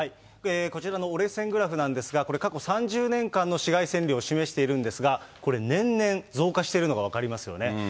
こちらの折れ線グラフなんですが、これ、過去３０年間の紫外線量を示しているんですが、これ、年々増加してるのが分かりますよね。